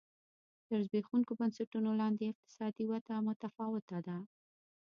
تر زبېښونکو بنسټونو لاندې اقتصادي وده متفاوته ده.